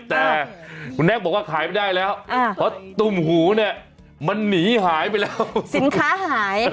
แต่คุณแน็กบอกว่าขายไม่ได้แล้วเพราะตุ่มหูเนี่ยมันหนีหายไปแล้วสินค้าหาย